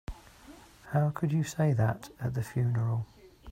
How could you say that at the funeral?